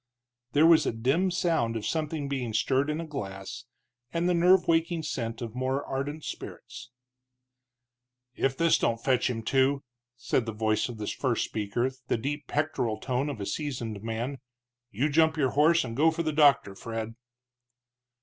There was a dim sound of something being stirred in a glass, and the nerve waking scent of more ardent spirits. "If this don't fetch him to," said the voice of the first speaker, the deep pectoral tone of a seasoned man, "you jump your horse and go for the doctor, Fred."